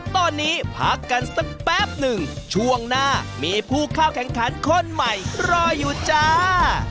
ตอนนี้พักกันสักแป๊บหนึ่งช่วงหน้ามีผู้เข้าแข่งขันคนใหม่รออยู่จ้า